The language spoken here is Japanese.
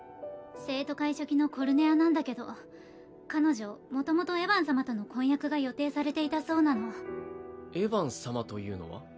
生徒会書記のコルネアなんだけど彼女元々エヴァン様との婚約が予定されていたそうなのエヴァン様というのは？